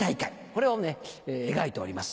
これを描いております。